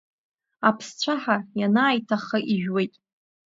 Аԥсцәаҳа ианааиҭахха ижәуеит.